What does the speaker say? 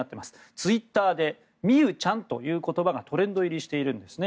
ツイッターで美宇ちゃんという言葉がトレンド入りしているんですね。